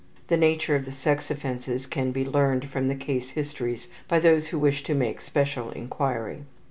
The nature of the sex offenses can be learned from the case histories by those who wish to make special inquiry.